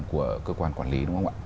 của cơ quan quản lý